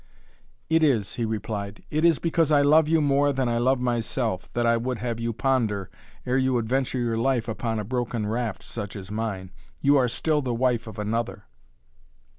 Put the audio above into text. "It is," he replied. "It is because I love you more than I love myself, that I would have you ponder, ere you adventure your life upon a broken raft such as mine. You are still the wife of another."